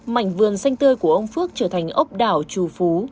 mảnh vườn xanh tươi của ông phước trở thành ốc đảo trù phú